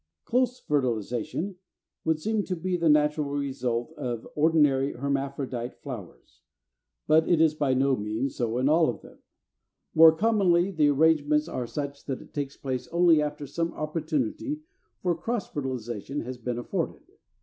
=Close Fertilization= would seem to be the natural result in ordinary hermaphrodite flowers; but it is by no means so in all of them. More commonly the arrangements are such that it takes place only after some opportunity for cross fertilization has been afforded.